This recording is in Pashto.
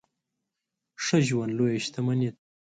ښه ژوند لويه شتمني ده.